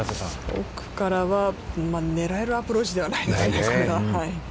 奥からは、狙えるアプローチではないですね。